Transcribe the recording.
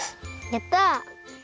やった！